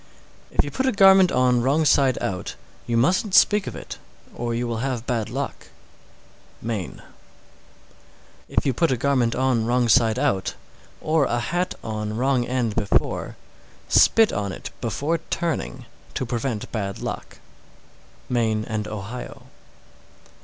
_ 623. If you put a garment on wrong side out, you mustn't speak of it, or you will have bad luck. Maine. 624. If you put a garment on wrong side out, or a hat on wrong end before, spit on it before turning, to prevent bad luck. _Maine and Ohio.